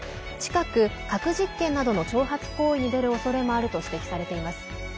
近く核実験などの挑発行為に出るおそれもあると指摘されています。